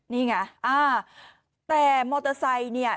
นี่ไงอ่าแต่มอเตอร์ไซค์เนี่ย